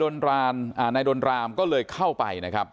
นายดนรามก็เลยเข้าไปนะครับ